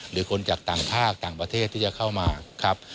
หรือคนจากต่างภาคต่างประเทศที่จะเข้ามาครับ